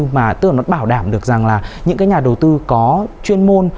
mà tưởng nó bảo đảm được rằng là những cái nhà đầu tư có chuyên môn